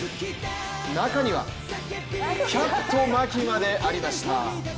中には、キャット牧までありました。